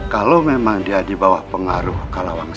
kalau memang dia di bawah pengaruh kala wangsa